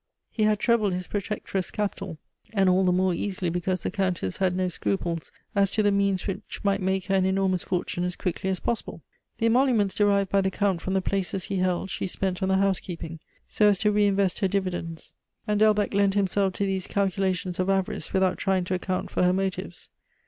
He had trebled his protectress' capital, and all the more easily because the Countess had no scruples as to the means which might make her an enormous fortune as quickly as possible. The emoluments derived by the Count from the places he held she spent on the housekeeping, so as to reinvest her dividends; and Delbecq lent himself to these calculations of avarice without trying to account for her motives.